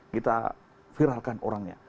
kita viralkan orangnya